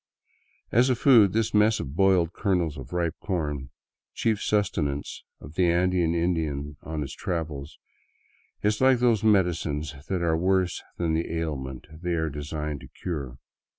As a food, this mess of boiled kernels of ripe corn, chief sustenance of the Andean Indian on his travels, is like those medicines that are worse than the ailment they are designed to cure.